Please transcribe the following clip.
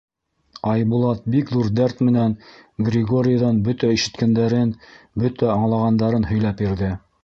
Айбулат бик ҙур дәрт менән Григорийҙан бөтә ишеткәндәрен, бөтә аңлағандарын һөйләп бирҙе.